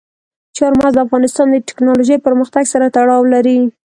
چار مغز د افغانستان د تکنالوژۍ پرمختګ سره تړاو لري.